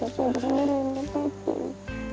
tapi abah sendiri yang nyakitin